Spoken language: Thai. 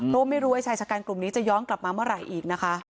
เพราะไม่รู้ว่าชายชะกันกลุ่มนี้จะย้อนกลับมาเมื่อไหร่อีกนะคะ